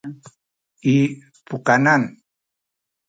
i pukanan